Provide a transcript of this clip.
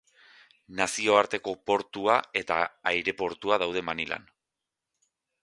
Nazioarteko portua eta aireportua daude Manilan.